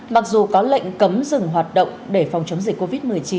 mặc dù có lệnh cấm dừng hoạt động để phòng chống dịch covid một mươi chín